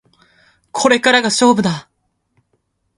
これからが勝負だ